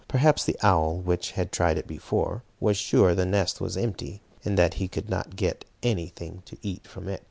Perhaps the owl, which had tried it before, was sure the nest was empty, and that he could not get anything to eat from it.